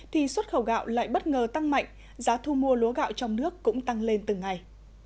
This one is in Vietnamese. thì xuất khẩu gạo lại bất ngờ tăng mạnh giá thu mua lúa gạo trong nước cũng tăng lên từng ngày